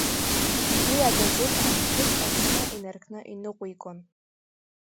Уи агазеҭ анҭыҵ аҽны инаркны иныҟәигон.